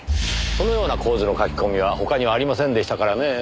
このような構図の書き込みは他にはありませんでしたからねえ。